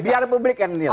biar publik yang menilai